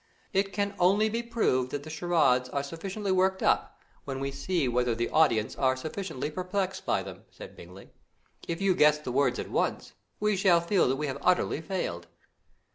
"It can only be proved that the charades are sufficiently worked up, when we see whether the audience are sufficiently perplexed by them," said Bingley. "If you guess the words at once, we shall feel that we have utterly failed."